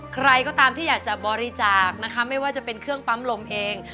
ใครก็ตามที่อยากจะบริจาคนะคะไม่ว่าจะเป็นเครื่องปั๊มลมเอง